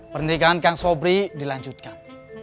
pernikahan kang sobri dilanjutkan